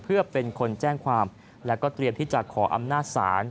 เพื่อเป็นคนแจ้งความและก็เตรียมที่จะขออำนาจศาล